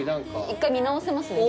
一回見直せますね